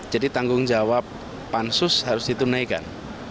jadi tanggung jawab pansus harus ditunaikan